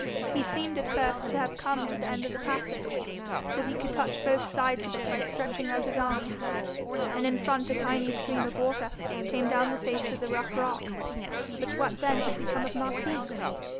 He seemed at first to have come to the end of the passage, for he could touch both sides of it by stretching out his arms, and in front a tiny stream of water came down the face of the rough rock; but what then had become of Marquis?